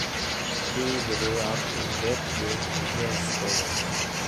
He grew up in Red Wing, Minnesota.